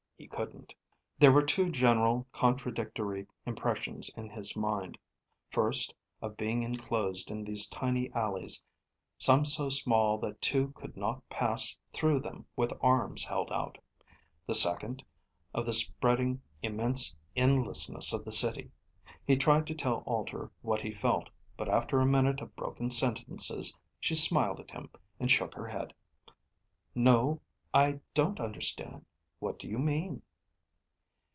He couldn't. There were two general, contradictory impressions in his mind: first, of being enclosed in these tiny alleys, some so small that two could not pass through them with arms held out; the second, of the spreading, immense endlessness of the city. He tried to tell Alter what he felt, but after a minute of broken sentences, she smiled at him and shook her head. "No, I don't understand. What do you mean?"